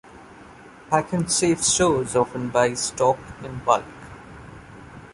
Pak'nSave stores often buys stock in bulk.